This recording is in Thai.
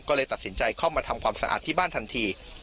ก็เลยตัดสินใจเข้ามาทำความสะอาดที่บ้านทันที